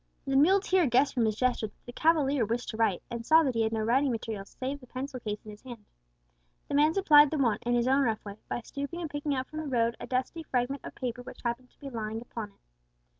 The muleteer guessed from his gesture that the cavalier wished to write, and saw that he had no writing materials save the pencil case in his hand. The man supplied the want, in his own rough way, by stooping and picking up from the road a dusty fragment of paper which happened to be lying upon it.